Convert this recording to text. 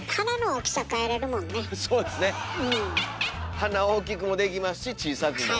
鼻大きくもできますし小さくも。